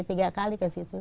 tiga kali ke situ